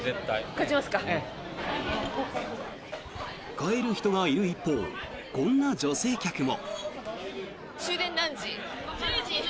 帰る人がいる一方こんな女性客も。